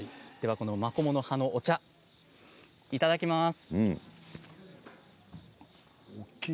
マコモの葉のお茶いただきます。